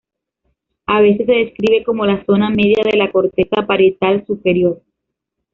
A veces se describe como la zona media de la corteza parietal superior.